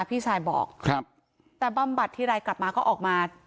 พี่ชายบอกครับแต่บำบัดทีไรกลับมาก็ออกมา